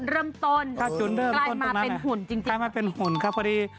เราเองก็มีความสุขแฮปปี้